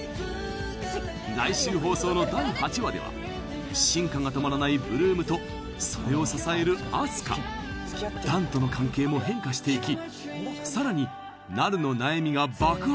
来週放送の第８話では進化が止まらない８ＬＯＯＭとそれを支えるあす花弾との関係も変化していきさらになるの悩みが爆発！